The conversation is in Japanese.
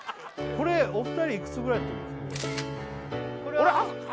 これお二人いくつぐらいの時ですか？